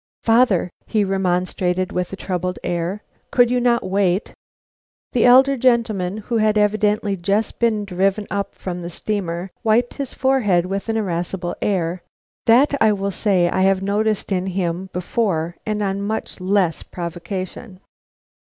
"Father!" he remonstrated, with a troubled air; "could you not wait?" The elder gentleman, who had evidently just been driven up from the steamer, wiped his forehead with an irascible air, that I will say I had noticed in him before and on much less provocation.